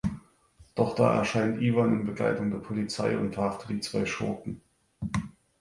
Doch da erscheint Iwan in Begleitung der Polizei und verhaftet die zwei Schurken.